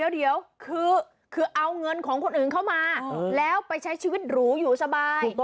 เดี๋ยวคือเอาเงินของคนอื่นเข้ามาแล้วไปใช้ชีวิตหรูอยู่สบาย